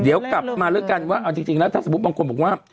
เดี๋ยวกลับมาแล้วกันว่าเอาจริงแล้วถ้าสมมุติบางคนบอกว่า